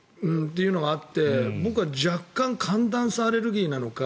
というのがあって僕は若干寒暖差アレルギーなのか